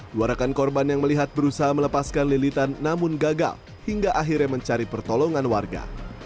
dua rekan korban yang melihat berusaha melepaskan lilitan namun gagal hingga akhirnya mencari pertolongan warga